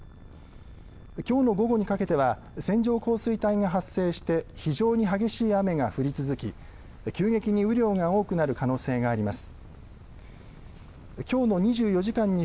きょうの午後にかけては線状降水帯が発生して非常に激しい雨が降り続き急激に雨量が多くなる可能性があります。